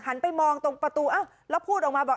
หันไปมองตรงประตูแล้วพูดออกมาบอก